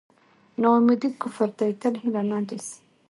نا اميدي کفر دی تل هیله مند اوسئ.